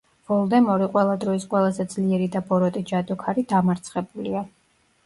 ვოლდემორი, ყველა დროის ყველაზე ძლიერი და ბოროტი ჯადოქარი, დამარცხებულია.